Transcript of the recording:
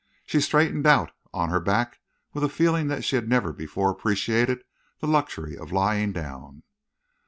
She straightened out on her back with a feeling that she had never before appreciated the luxury of lying down.